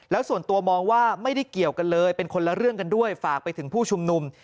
แล้วส่วนตัวมองว่าไม่ได้เกี่ยวกันเลยเป็นคนละเรื่องกันด้วยฝากไปถึงผู้ชุมนุม